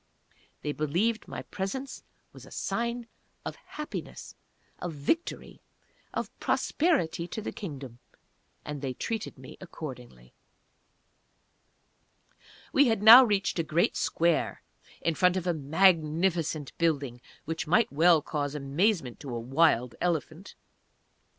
They believed my presence was a sign of Happiness of Victory of Prosperity to the Kingdom and they treated me accordingly. We had now reached a great square in front of a magnificent building which might well cause amazement to a "wild" elephant.